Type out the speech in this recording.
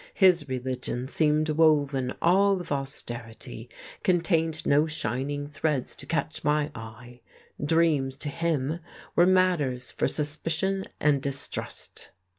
His religion seemed woven all of austerity, contained no shining threads to catch my eye. Dreams, to him, were matters for suspicion and distrust.